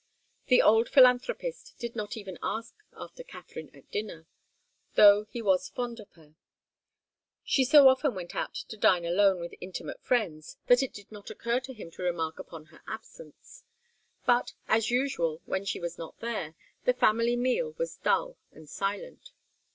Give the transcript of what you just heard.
The old philanthropist did not even ask after Katharine at dinner, though he was fond of her. She so often went out to dine alone with intimate friends, that it did not occur to him to remark upon her absence. But, as usual, when she was not there, the family meal was dull and silent.